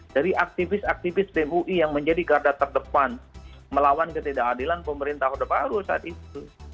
dari aktivis aktivis bem ui yang menjadi garda terdepan melawan ketidakadilan pemerintah hodebaru saat itu